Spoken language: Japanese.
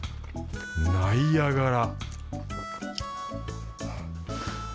ナイアガラ